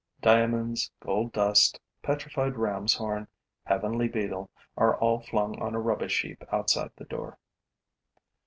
Diamonds, gold dust, petrified ram's horn, heavenly beetle are all flung on a rubbish heap outside the door.